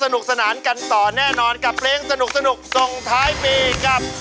แน่นอนกับเพลงสนุกส่งท้ายปีกับ